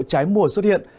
trái mùa xuất hiện